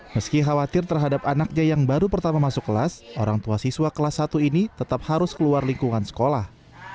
meski khawatir terhadap anaknya yang baru pertama masuk kelas orang tua siswa kelas satu ini tetap harus keluar lingkungan sekolah